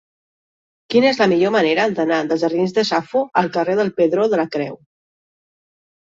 Quina és la millor manera d'anar dels jardins de Safo al carrer del Pedró de la Creu?